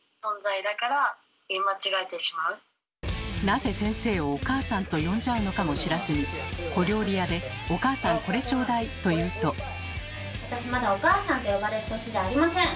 なぜ先生をお母さんと呼んじゃうのかも知らずに小料理屋で「おかあさんこれちょうだい」と言うと私まだ「おかあさん」って呼ばれる年じゃありません！